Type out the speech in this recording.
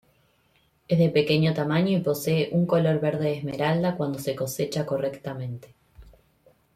Es de pequeño tamaño y posee un color verde esmeralda cuando se cosecha correctamente.